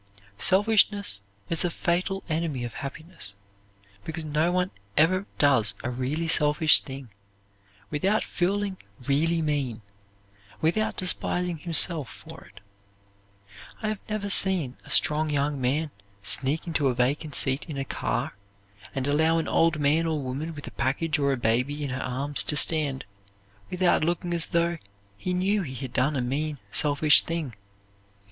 Selfishness is a fatal enemy of happiness because no one ever does a really selfish thing without feeling really mean, without despising himself for it. I have never seen a strong young man sneak into a vacant seat in a car and allow an old man or woman with a package or a baby in her arms to stand, without looking as though he knew he had done a mean, selfish thing.